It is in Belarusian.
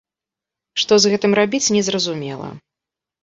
Што з гэтым рабіць, незразумела.